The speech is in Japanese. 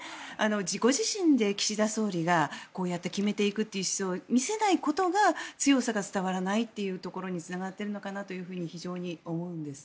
自己自身で岸田総理がこうやって決めていくのを見せないことが強さが伝わらないというところにつながっているのかなと非常に思うんです。